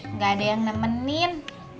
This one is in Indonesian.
enggak ada yang nemenin